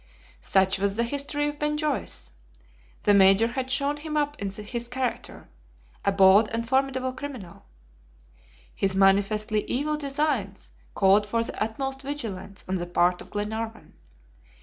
Such was the history of Ben Joyce. The Major had shown him up in his character a bold and formidable criminal. His manifestly evil designs called for the utmost vigilance on the part of Glenarvan.